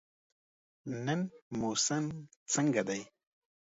نن موسم څنګه دی؟